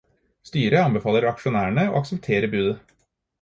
Styret anbefaler aksjonærene å akseptere budet.